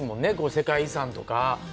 世界遺産とか。